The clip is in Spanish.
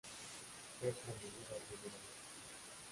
Fue promovido a Primera División.